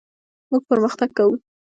موږ پرمختګ کوو.